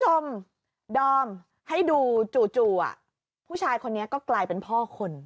คุณผู้ชมดอมให้ดูจู่ผู้ชายคนนี้ก็กลายเป็นพ่อคน